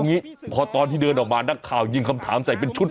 งี้พอตอนที่เดินออกมานักข่าวยิงคำถามใส่เป็นชุด